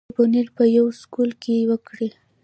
د بونېر پۀ يو سکول کښې وکړې